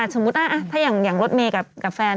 สมมุติถ้าอย่างรถเมย์กับแฟน